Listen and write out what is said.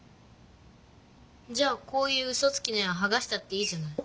じゃあこういううそつきの絵ははがしたっていいじゃない。